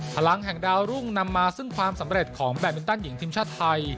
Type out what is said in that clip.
พลังแห่งดาวรุ่งนำมาซึ่งความสำเร็จของแบตมินตันหญิงทีมชาติไทย